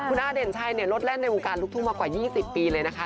คุณอ้าเด่นชัยเนี่ยรถเล่นในวงการลูกทุกข์มากกว่า๒๐ปีเลยนะคะ